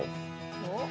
おっ。